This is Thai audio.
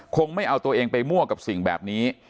คงไม่เอาตัวเองไปมั่วกับสิ่งแบบนี้